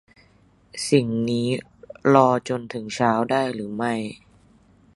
สิ่งนี้รอจนถึงเช้าได้หรือไม่